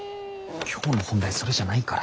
今日の本題それじゃないから。